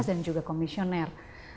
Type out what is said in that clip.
dewas dan juga komisioner